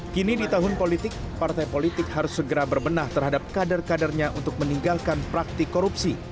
kini di tahun politik partai politik harus segera berbenah terhadap kader kadernya untuk meninggalkan praktik korupsi